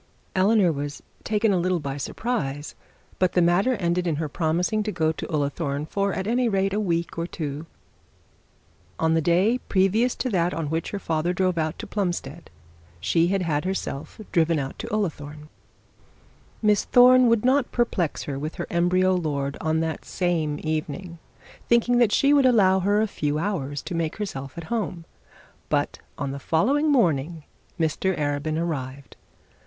Eleanor was taken a little by surprise, but the matter ended in her promising to go to Ullathorne, for at any rate a week or two; and on the day previous to that on which her father drove out to Plumstead, she had had herself driven out to Ullathorne. Miss Thorne would not perplex her with her embryo lord on that same evening, thinking that she would allow her a few hours to make herself at home; but on the following morning Mr Arabin arrived.